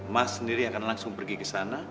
mas sendiri akan langsung pergi kesana